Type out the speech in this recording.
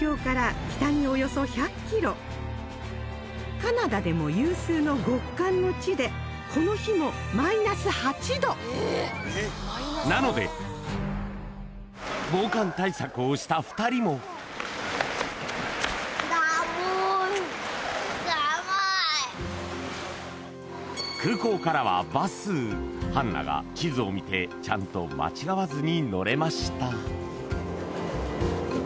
カナダでも有数の極寒の地でなので防寒対策をした２人も空港からはバスハンナが地図を見てちゃんと間違わずに乗れました